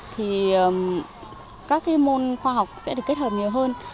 thì các môn khoa học sẽ được kết hợp nhiều hơn